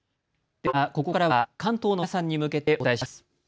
ではここからは関東の皆さんに向けてお伝えします。